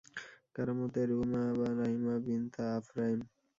কারও মতে, রুহমাহ বা রাহিমাহ বিনত আফরাইম।